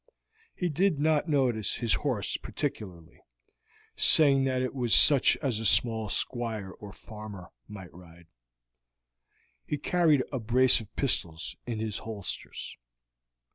He did not notice his horse particularly, seeing that it was such as a small squire or farmer might ride. He carried a brace of pistols in his holsters.